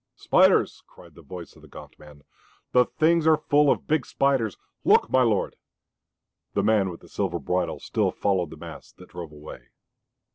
"Spiders!" cried the voice of the gaunt man. "The things are full of big spiders! Look, my lord!" The man with the silver bridle still followed the mass that drove away.